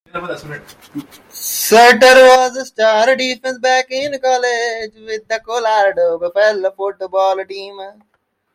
Sutter was a star defensive back in college with the Colorado Buffaloes football team.